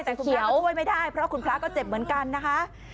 แต่คุณพระก็ช่วยไม่ได้เพราะคุณพระก็เจ็บเหมือนกันนะคะ